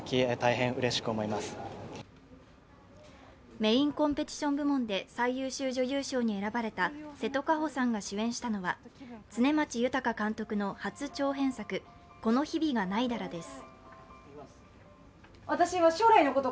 メインコンペティション部門で最優秀女優賞に選ばれた瀬戸かほさんが主演したのは常間地裕監督の初長編作「この日々が凪いだら」です。